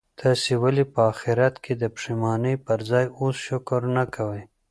تاسي ولي په اخیرت کي د پښېمانۍ پر ځای اوس شکر نه کوئ؟